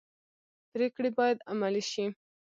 پریکړې باید عملي شي